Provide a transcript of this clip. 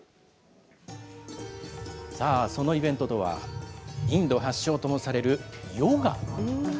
さあ、そのイベントとは、インド発祥ともされるヨガ。